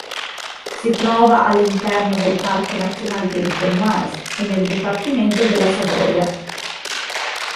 Si trova all'interno del Parco nazionale della Vanoise e nel dipartimento della Savoia.